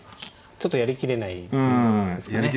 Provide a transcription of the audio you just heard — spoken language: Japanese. ちょっとやりきれないですかね。